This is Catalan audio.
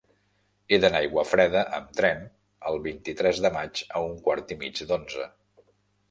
He d'anar a Aiguafreda amb tren el vint-i-tres de maig a un quart i mig d'onze.